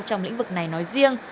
trong lĩnh vực này nói riêng